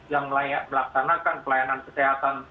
yang melaksanakan pelayanan kesehatan